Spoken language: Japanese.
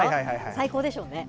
最高でしょうね。